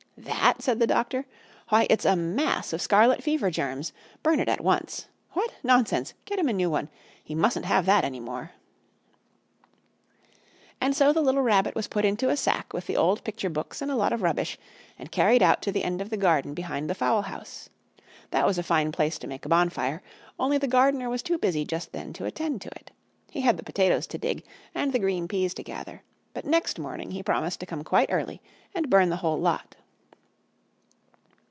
"That?" said the doctor. "Why, it's a mass of scarlet fever germs! Burn it at once. What? Nonsense! Get him a new one. He mustn't have that any more!" Anxious Times And so the little Rabbit was put into a sack with the old picture books and a lot of rubbish, and carried out to the end of the garden behind the fowl house. That was a fine place to make a bonfire, only the gardener was too busy just then to attend to it. He had the potatoes to dig and the green peas to gather, but next morning he promised to come quite early and burn the whole lot.